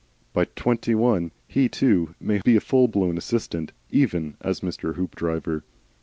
By twenty one he too may hope to be a full blown assistant, even as Mr. Hoopdriver.